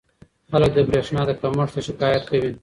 خلک له برېښنا کمښت شکایت کوي.